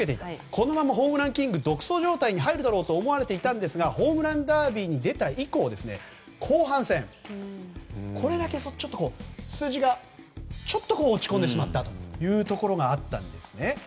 このままホームランキング独走状態に入るだろうと思われていたんですがホームランダービーに出た以降後半戦、これだけ数字がちょっと落ち込んでしまったというところがあったんです。